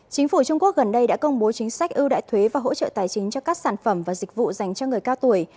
chính phủ trung quốc gần đây đã công bố chính sách ưu đại thuế và hỗ trợ tài chính cho các sản phẩm và dịch vụ dành cho người cao tuổi